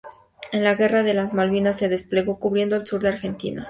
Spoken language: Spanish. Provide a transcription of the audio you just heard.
En la Guerra de las Malvinas se desplegó cubriendo el sur de Argentina.